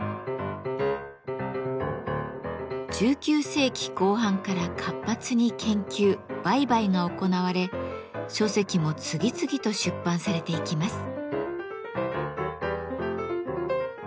１９世紀後半から活発に研究売買が行われ書籍も次々と出版されていきます。